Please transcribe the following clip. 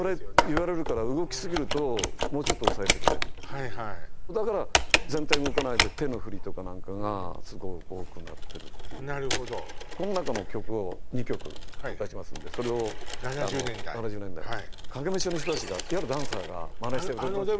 言われるから動きすぎるともうちょっと抑えてくれっていうだから全体動かないで手の振りとかなんかがすごい多くなってるっていうなるほどこの中の曲を２曲出しますんでそれを７０年代影武者の人達がダンサーがマネして踊ります